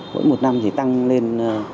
mỗi một năm thì tăng lên